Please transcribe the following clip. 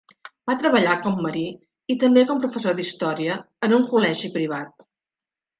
Va treballar com marí i també com professor d'Història en un col·legi privat.